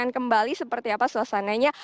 kembali seperti apa suasananya